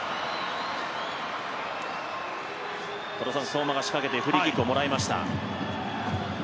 相馬が仕掛けてフリーキックをもらいました。